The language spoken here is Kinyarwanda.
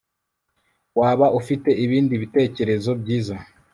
Waba ufite ibindi bitekerezo byiza